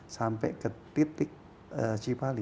sampai ke titik cipali